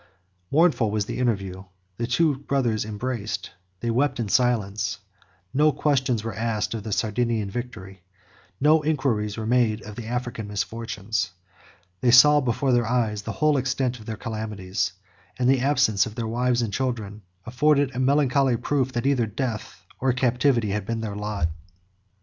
Mournful was the interview: the two brothers embraced; they wept in silence; no questions were asked of the Sardinian victory; no inquiries were made of the African misfortunes: they saw before their eyes the whole extent of their calamities; and the absence of their wives and children afforded a melancholy proof that either death or captivity had been their lot.